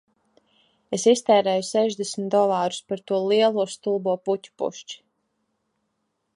Es iztērēju sešdesmit dolārus par to lielo stulbo puķu pušķi